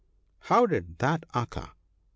"' How did that occur ?